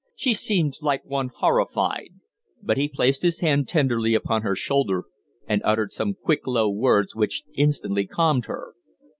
She seemed like one horrified. But he placed his hand tenderly upon her shoulder, and uttered some quick low words which instantly calmed her.